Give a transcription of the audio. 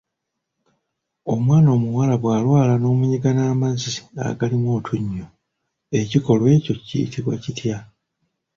Omwana omuwala bwalwala n'omunyiga n'amazzi agalimu otunnyu, ekikolwa ekyo kiyitibwa kitya?